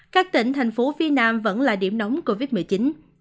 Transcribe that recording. các tỉnh thành phố phi nam vẫn lưu trị